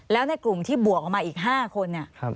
แล้วในกลุ่มที่บวกออกมาอีก๕คนเนี่ย